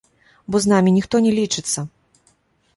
Бо з намі ніхто не лічыцца!